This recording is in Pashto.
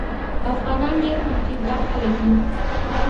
افغانان ډېر منفي ګرا خلک دي.